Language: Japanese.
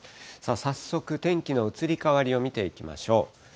早速、天気の移り変わりを見ていきましょう。